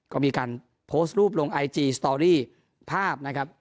ก็มีการโพสต์รูปลงไอจีสตอรี่ภาพนะครับ